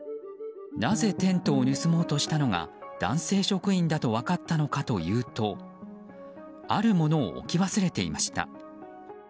なぜテントを盗もうとしたのが男性職員だと分かったのかというとあるものを置き忘れていました。